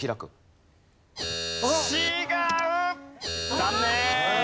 残念！